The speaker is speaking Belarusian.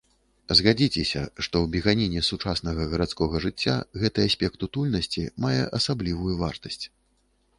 Згадзіцеся, што ў беганіне сучаснага гарадскога жыцця гэты аспект утульнасці мае асаблівую вартасць.